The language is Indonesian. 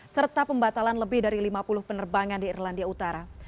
serta pembatalan lebih dari lima puluh penerbangan di irlandia utara